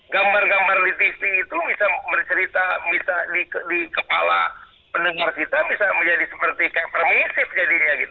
gambar gambar di tv itu bisa bercerita bisa di kepala pendengar kita bisa menjadi seperti kayak permisif jadinya gitu